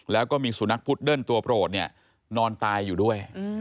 แล้วก็มีสุนัขพุดเดิ้ลตัวโปรดเนี่ยนอนตายอยู่ด้วย